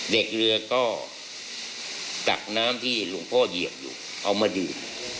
เด็กเรือก็ตักน้ำที่หลวงพ่อเหยียบอยู่เอามาดื่ม